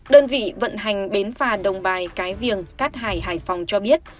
đơn vị vận hành bến phà đồng bài cái viềng cát hải hải phòng cho biết